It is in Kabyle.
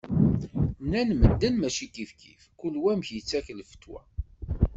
Nnan medden mačči kifkif, kul wa amek yettak lfetwa.